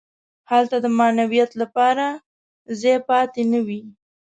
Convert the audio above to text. هلته د معنویت لپاره ځای پاتې نه وي.